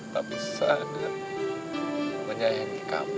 tak bisa ada yang menyayangi kamu